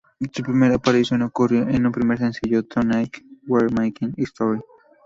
Su primera aparición ocurrió con su primer sencillo, "Tonight We're Making History".